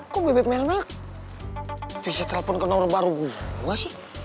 kok bebek mel mel bisa telepon ke nomor baru gua sih